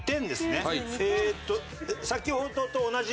えーっと。